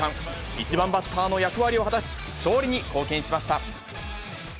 １番バッターの役割を果たし、勝利に貢献しました。